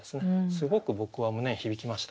すごく僕は胸に響きました。